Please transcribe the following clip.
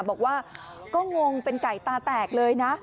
บอกว่าก็งงเป็นไก่ตาแตกเลยนะ